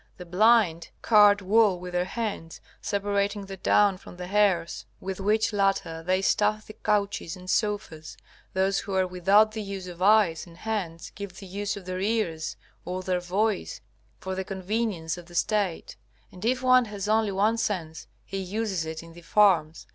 The blind card wool with their hands, separating the down from the hairs, with which latter they stuff the couches and sofas; those who are without the use of eyes and hands give the use of their ears or their voice for the convenience of the State, and if one has only one sense he uses it in the farms.